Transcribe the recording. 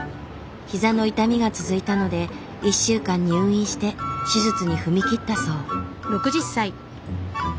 膝の痛みが続いたので１週間入院して手術に踏み切ったそう。